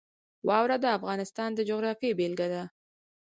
واوره د افغانستان د جغرافیې بېلګه ده.